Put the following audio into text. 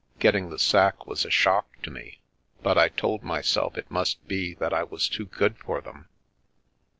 Getting the sack was a shock to me, but I told myself it must be that I was too good for them.